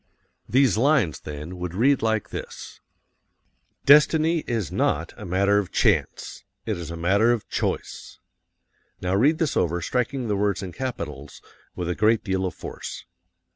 These lines, then, would read like this: "DESTINY is NOT a matter of CHANCE. It is a matter of CHOICE." Now read this over, striking the words in capitals with a great deal of force.